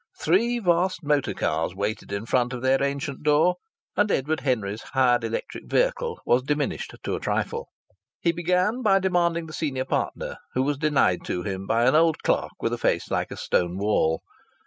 Three vast motor cars waited in front of their ancient door, and Edward Henry's hired electric vehicle was diminished to a trifle. He began by demanding the senior partner, who was denied to him by an old clerk with a face like a stone wall.